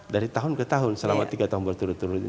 dari tahun ke tahun selama tiga tahun berturut turut